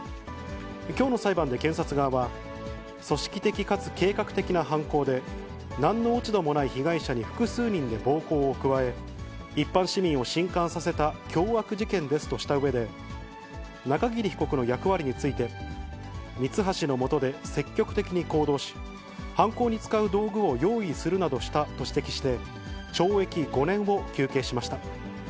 きょうの裁判で、検察側は、組織的かつ計画的な犯行で、なんの落ち度もない被害者に複数人で暴行を加え、一般市民をしんかんさせた凶悪事件ですとしたうえで、中桐被告の役割について、ミツハシの下で積極的に行動し、犯行に使う道具を用意するなどしたと指摘して、懲役５年を求刑しました。